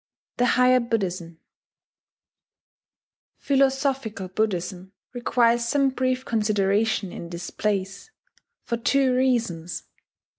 THE HIGHER BUDDHISM Philosphical Buddhism requires some brief consideration in this place, for two reasons.